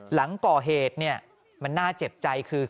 หลังก่อเหตุเนี่ยมันน่าเจ็บใจคือ